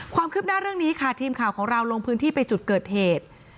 ความคืบหน้าเรื่องนี้ค่ะทีมข่าวของเราลงพื้นที่ไปจุดเกิดเหตุ